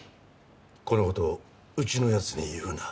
この事をうちの奴に言うな。